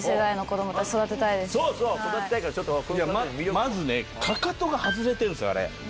まずねかかとが外れてるんすよあれ。